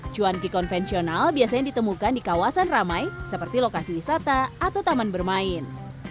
cuanki konvensional biasanya ditemukan di kawasan ramai seperti lokasi wisata atau taman bermain